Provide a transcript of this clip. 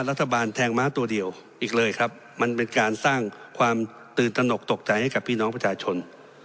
รัฐบาลแทงม้าตัวเดียวอีกเลยครับมันเป็นการสร้างความตื่นตนกตกใจให้กับพี่น้องประชาชน